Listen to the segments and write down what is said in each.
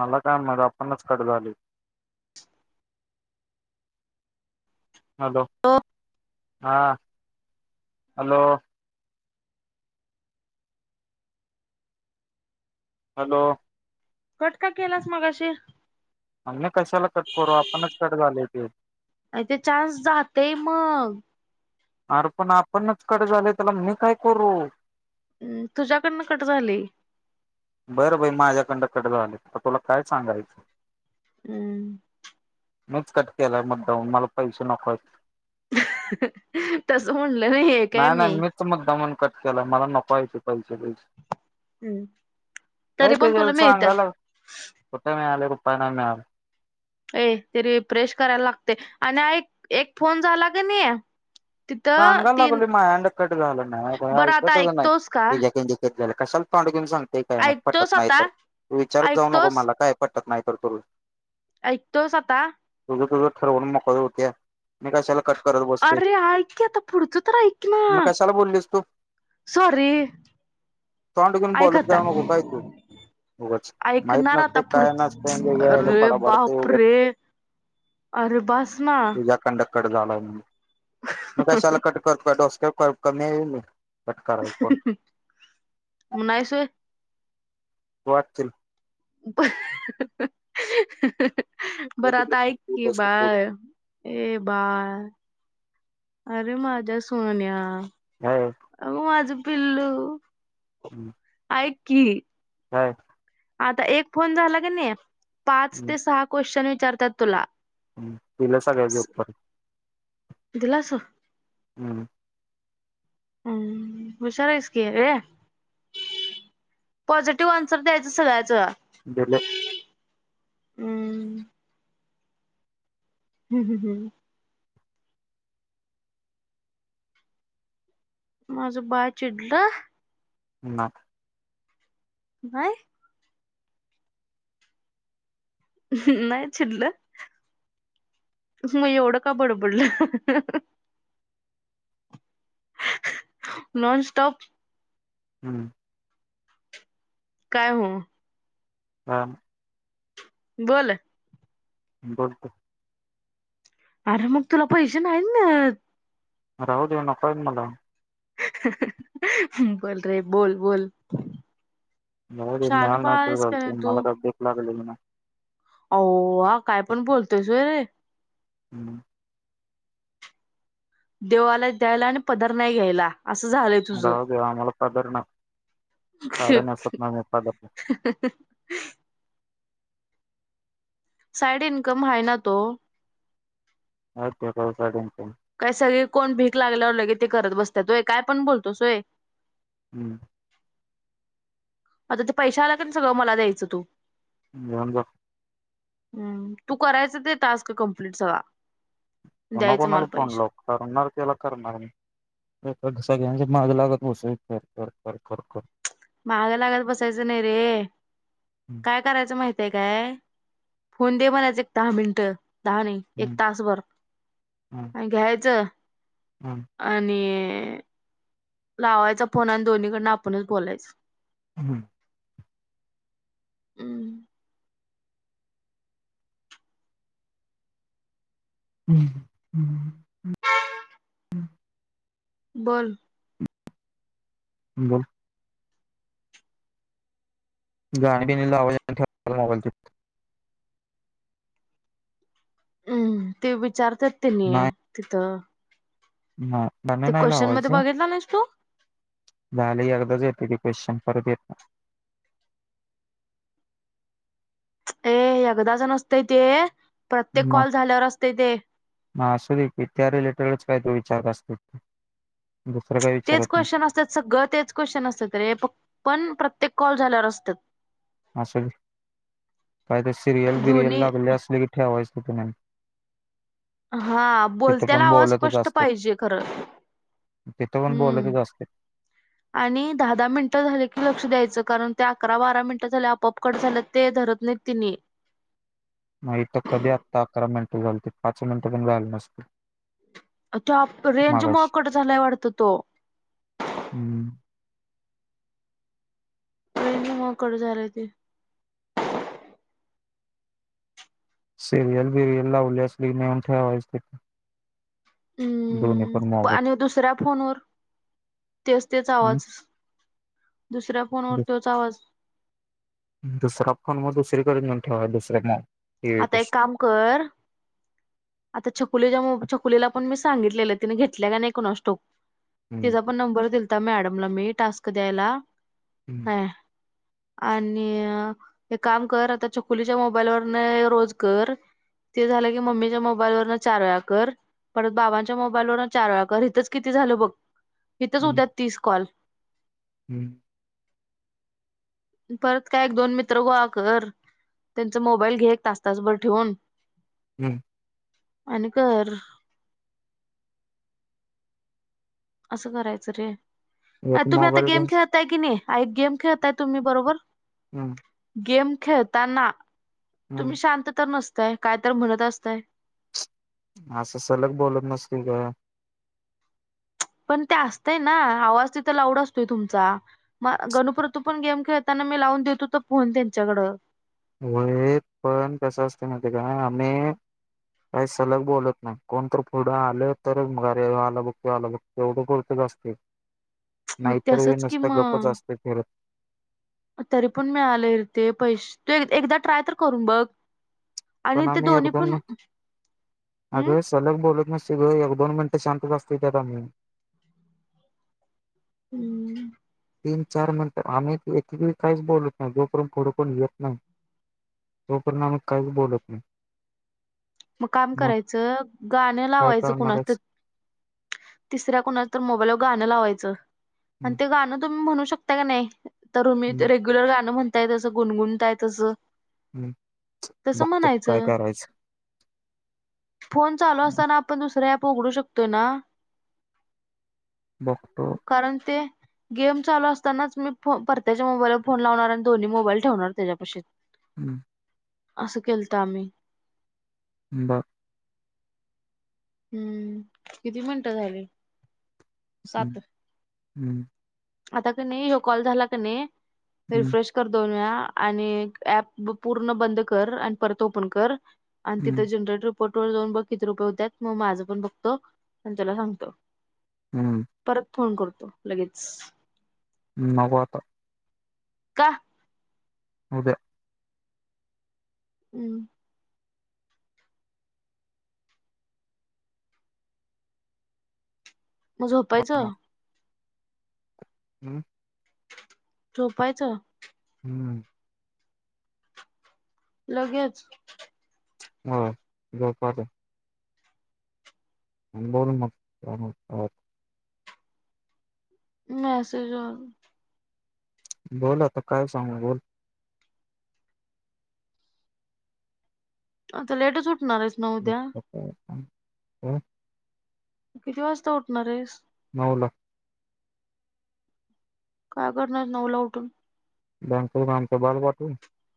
मला काय माहित आपणच कट झाली. [unintelligible] हॅलो हा हॅलो हॅलो कट का केलास मगाशी आमना कशाला कट करू आपणच कट झालय ते नाय ते चान्स जातय मग अरे पण आपणच कट झालय त्याला मी काय करू? हम्म तुझ्या कडनं कट झालय. बरं बाई माझ्या कडन कट झालय आता तुला काय सांगायचं हूं मीच कट केलाय मुद्दामहून मला पैसे नको आहेत. तस म्हणलं नाहीये काय नाही मी नाही मीच मुद्दामून कट केला मला नको हायते पैसे बिसे काय तरी पण त्याच्या तुला मिळत्यात सांगाला कुठ मिळालय बघ पणा मॅम ये ते रिफ्रेश करायला लागतय. आणि आईक एक फोन झाला क नई सांगाला लागलो माह्याकडनं कट झालं नाय बरं आता ऐकतच नाही ऐकतोस का? तुझ्या कढण कट झाला कशाला तोंड घेऊन सांग ते काय म ऐकतोस पटत नाहीत आता? विचारत जाऊ नको ऐकतोस? मला काय पटत नाही. [unintelligible] ऐकतोस आता तु तुझ ठरवून मोकळं होत्या मी कशाला कट करत बसतोय अरे ऐक आता पुढच तर ऐक ना मग कशाला बोललीस तू सॉरी तोंड घेऊन ऐक बोलत आता जाऊ नको काय तू उगच. माहित ऐकणार नसतय आता काय नसतय पुढच वेगळ्याला अरे बडबडतय बाप उगच रे अरे बस ना तुझ्याकडन कट झालाय म्हणून मग कशाला कट करतो डोसक्य काय कमी हाय व्हय मी कट कराय फोन म नायस होय. वाटतील. [unintelligible] ये बरं आता ऐक तिकडं की डोसकं फोडीन. बाय ए बाय अर माझ्या सोन्या काय अग माझं पिल्लू हम्म ऐक की काय? आता एक फोन झाला की नाही. पाच ते सहा क्वेश्चन विचारतात तुला हम्मं दिलं सगळ्या ज उत्तर दिलास हम्म हम्म विचारायस की रे पॉझिटिव्ह आन्सर द्यायचं सगळ्याच दिले हम्म हम्म हम्म हम्म माझं बाळ चिडलं. ना नाय नाही चिडलं मग एवढं का बडबडल नॉनस्टॉप हम्म काय हू हा बोल बोलतोय. अरे मग तुला पैसे नाही मिळत राहू देऊ नको आहे मला बोल रे बोल बोल नको बोलू नाय शहाणपणा नाय ते आहेस का बोलते मला काय भीक लागलेली नाय हा काय पण बोलतोय होय रे हम्म देवाला द्यायला आणि पधर नाही घ्यायला असं झालंय तुझ राहू दे आम्हाला पदर ना साड्या नेसत नाही मी पदर [unintelligible] साईड इन्कम आहे ना तो अ ते कासाड काही सगळी कोण भीक लागल्यावर लगेच ते करत बसतात होय काय पण बोलतोस व्हय. हम्म आता ते पैश आला क सगळं मला द्यायचं तू घेऊन जा हम्म.. तू करायच ते टास्क कम्प्लीट सगळा. कोणा द्यायचं कोणाला मला फोन पैसे लावू, करणार तेला करणार मी सगळ्यां मागं लागत बसायचं य कर-कर-कर-कर-कर माग लागत बसायचं नाही रे, हम्म काय करायचं माहिती आहे काय? फोन दे म्हणायचं एक दहा मिनिटं, दहा नाही एक हम्म तासभर, आणि घ्यायचं. हम्म आणि, [unintelligible] लावायचा फोन आणि दोन्हीकडन आपणच बोलायचं हम्म अ म्म, [unintelligible] [unintelligible] बोल. बोल. गाणी बिणी लावायच [unintelligible] ठेव मोबाईल तो, हम्म ते विचार, [unintelligible] तिनी नाही तिथं. नाही गाणी ते नाही क्वेश्चन मध्ये लावायची बघितला नाहीस तू, झाले एकदाच येते ते क्वेश्चन परत येत नाही. ए एकदाच नसतय ते, प्रत्येक म.. कॉल झाल्यावर असतंय ते असू दे की त्या रिलेटेड, काय तो विचार असतो. दुसरं काही तेच विचारत नाही क्वेश्चन असतात, सगळं तेच क्वेश्चन असतात रे प पण प्रते ते कॉल झाल्यावर असत्यात. असुदे, काय तरी सिरियल बिरियल दोन्ही लागली असली की ठेवायच. [unintelligible] हा.. बोलत्याला आवाज बोलतच स्पष्ट असते पाहिजे खर, तिथं पण हम्म बोलतच असते आणि दहा दहा मिनिटं झाले की लक्ष द्यायचं कारण अकरा बारा मिनिटं झाल्या. आपोआप कट झालं ते धरत नाही तिनी. नाही तर कधी आत्ता अकरा मिनिटं झालत पाच मिनिटं पण झालं नसतील. आता रेंज मुळं कट झालाय वाटत तो, हम्म रेंज मुळ कट झालय ते सिरियल बिरियल लावल्याशील नेऊन ठेवायच तिथं, दोन्ही पण हम.. मोबाईल आणि दुसऱ्या फोनवर तेच-तेच हम्म आवाज. दुसऱ्या फोनवर तोच आवाज. दुसरा फोन मग, दुसरीकडे नेऊन ठेवायचा [unintelligible] आता एक काम कर आता छकुलीच्या मोब छकुलीला पण मी सांगितलेलं तिने घेतल्या का नाही कोणास ठाऊक. हम्म तिचा पण नंबर दिल मॅडमला मी टास्क द्यायला हम्म [unintelligible] आणि एक काम कर आताच्या छकुलीच्या मोबाईल वरन रोज कर ते झालं की मम्मीच्या मोब मोबाईलवरन चार वेळा कर परत बाबांच्या मोबाईलवरन चार वेळा कर इथंच किती झालं बघ. हितच हम्म उद्या तीस कॉल हम्म. परत काय एक दोन मित्र गोळा कर त्यांचा मोबाईल घे एक तास तासभर ठेवून हम्म. आणि कर. असं करायचं रे. अ एक तुम्ही आता मोबाईल गेम घेऊन खेळतताय की नाही. आई गेम खेळताय तुम्ही बरोबर. हम्म. गेम खेळताना तुम्ही हम्म शांत तर नसत य काय तर म्हणत असतय ह स सलग बोलत मस्की काय पण ते असतंय ना आवाज तिथं लाऊड असतोय तुमचा म गणुपतू पण गेम खेळताना मी लावून देत होत फोन त्यांच्याकडं होय पण कसं असते माती काय आम्ही काही सलग बोलत नाही कोणत पुढं आल तरच गारी आलं बघते आलं बघ एवढं पुरतच असते मग तसच कि म फिरत तरी पण मी आले ते पैसे तू एकदा ट्राय तर करून बघ आणि पण ते आम्ही दोन्ही पण एकदम अग हम्म सलग बोलत नाही सगं एक दोन मिनिटं शांत असत त्यातम्ही हम्म तीन चार मिनिटं आम्ही एककळी काहीच बोलत नाही जोपर्यंत पुढ कोण येत नाही तोपर्यंत आम्ही काहीच बोलत नाही मग काम करायचं गाणं काय लावायचं कणाच तर करणारच तिसऱ्या कणाच तर मोबाईलवर गाणं लावायचं आणि हम्म ते गाणं तुम्ही म्हणू शकता का नाही तर मी ते हम्म रेग्युलर गां म्हणते तसं गुणगुणताय तसं हम् तसं बघतो काय म्हणायचं काय राहायचं फोन चालू असताना आपण दुसऱ्या उघडू शकतो ना कारण ते गेम चालू असतानाच मी परत्याच्या मोबाईलवर फोन लावणार आणि दोन्ही मोबाईल ठेवणार त्याच्यापशी हम्म अस केलत आम्ही ब हम्म, किती मिनटं झाली? सात. हम्म. आता का नाही ह्यो कॉल झाला का नाही रिफ्रेश कर दो वेळा. आणि ऍप पूर्ण बंद कर आणि परत ओपन कर. आणि तिथं जनरेटर पाटोळे जाऊन बघ किती रुपये होत्यात मग माझं पण बघतो आणि त्याला सांगतो परत फोन करतो लगेच. नग आता. का? उद्या हम्म. मग पाहणार. झोपायचं. हम्म. झोपायचं हम्म. लगेच हो झोप आता. आणि बोलू मग [unintelligible] मेसेज बघ. बोल आता काय सांगू बोल. आता लेटच ऊठ नार आहेस का उद्या? हम्म हो. किती वाजता उठणार आहेस? [unintelligible] ला काय करणार नऊला उठून? [unintelligible]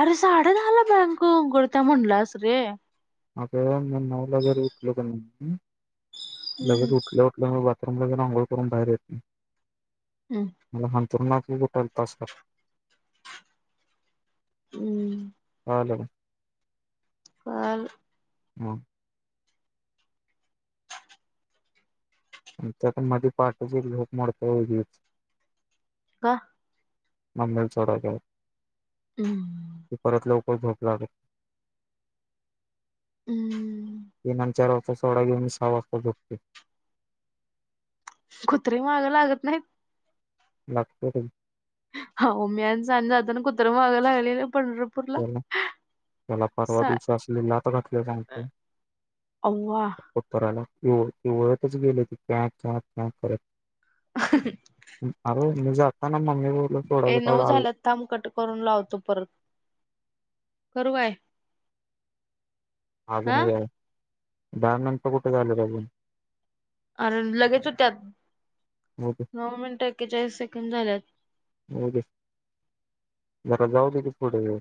अरे साडे दहाला बँक उघडत म्हणलास रे. अगं म नऊला जर उठलो का मी हम्म. लगेच उठल्या उठल्या मी बा [unintelligible] अंघोळ करून बाहेर येतो. हम्म. [unintelligible] हम्म. हॅलो. कळाल. मग त्या मध्ये, पहाटाचे लोक मोडतच [unintelligible] का? मंदल ोड ग [unintelligible] हम्म ते परत लाव. हो ोक ला [unintelligible] हम्म! आता सोडा घेऊन, मी सहा वाजता झोपतोय. कुत्रे मागं लागत नाहीत. लागत्यात की आहो, मी आणि सानि जातना कुत्रं माग लागलेलं. पंढरपूरला. त्याला, परवा सा दिवशी असली लाथ घातल्या सांगतो, अव्वा कुत्र्याला ते इवळतचं गेलं, ते [unintelligible] करत. आ [unintelligible] नजात [inaudible] ए नऊ झालंत, थांब कट करून लावतो, परत करूया. [unintelligible] दहा नंतर कुठं झालं पाहिजे. आर लगेच होत्यात, होऊ दे नऊ मिनिटं एक्केचाळीस सेकंद झाल्यात. होऊ दे जरा जाऊदे, की पुढे वेळ.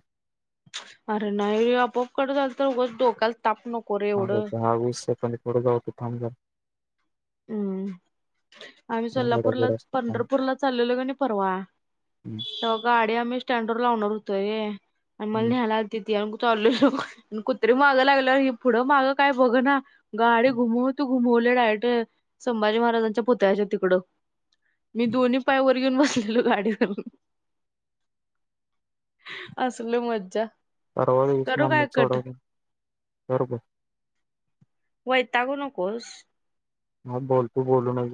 अरे! नाही, रे आपोआप कट झाला, तर उगाच डोक्याला ताप नको रे एवढं. दहा, वीस सेकंद पुढे जाऊ दे. [unintelligible] हम्म! आम्ही, गडा सोलापूरला गड असतो काम पंढरपूरला चालेलो, कणी परवा, हम्म तेव्हा गाडी आम्ही स्टँडवर लावणार [unintelligible] आम्हांला, हम्म न्यायला आलतीत [unintelligible] चालू शकू कुत्री मागं लागल्यावर, पुढं माग काय बघना. गाडी घुमवतो. घुमवलयं डायरेक्टचं [unintelligible] संभाजी महाराजांच्या पुतळ्याच्या तिकडं मी दोन्ही पाय वरती येऊन, बसलेलो गाडीवरून असलं मज्जा करू काय कट [unintelligible] वैतागू नकोस. हा बोलतो, [unintelligible]